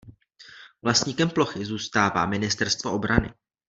Vlastníkem plochy zůstává ministerstvo obrany.